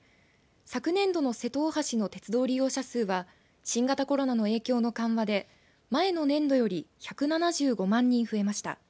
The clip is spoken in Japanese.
昨年度の瀬戸大橋の鉄道利用者数は新型コロナの影響の緩和で前の年度より１７５万人増えました。